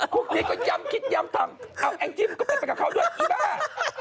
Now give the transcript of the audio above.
พวกนี้ก็ย้ำคิดย้ำทำเอาแองจิ้มก็เป็นไปกับเขาด้วยอีบ้า